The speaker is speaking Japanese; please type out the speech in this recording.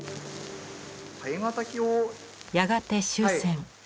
やがて終戦。